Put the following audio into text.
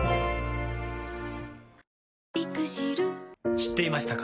知っていましたか？